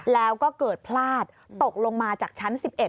แล้วก็เกิดพลาดตกลงมาจากชั้น๑๑